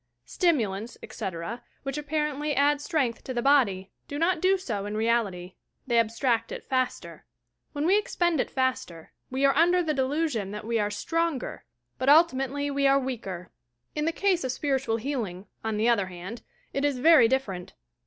Stimulants, etc., which apparently add strength to the body, do not do so in reality; they abstract it faster. When we expend it faster, we are under the delusion that we are "stronger ''; but ultimately we are weaker. 158 YOUR PSYCHIC POWERS In the case of spiritual healing, od the other hand, it is very different.